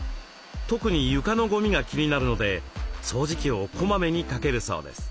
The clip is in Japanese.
特に床のごみが気になるので掃除機をこまめにかけるそうです。